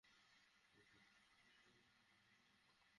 আর খালিদ তো ঘৃণায় মুখ ঘুরিয়ে নেন।